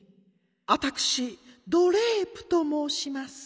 わたくしドレープともうします。